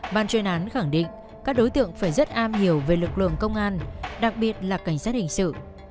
ban chuyên án khẳng định các đối tượng phải rất am hiểu về lực lượng công an đặc biệt là cảnh sát hình sự